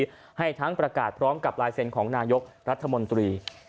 ให้ทั้งประกาศพร้อมกับลายเซ็นต์ของนายกรัฐมนตรี